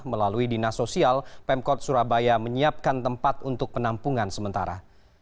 melalui dinas sosial pemkot surabaya menyiapkan tempat untuk penampungan sementara